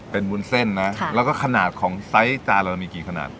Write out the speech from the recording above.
เป็นวุ้นเส้นนะแล้วก็ขนาดของไซส์จานเรามีกี่ขนาด